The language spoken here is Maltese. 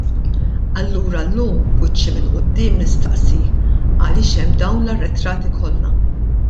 Allura llum b'wiċċi minn quddiem nistaqsi għaliex hemm dawn l-arretrati kollha.